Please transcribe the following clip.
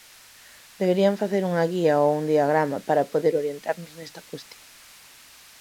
Deberían facer unha guía ou un diagrama para poder orientarnos nesta cuestión.